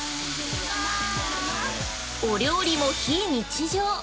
お料理も非日常。